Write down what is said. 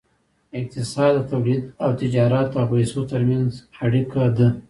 اقتصاد د تولید او تجارت او پیسو ترمنځ اړیکه ده.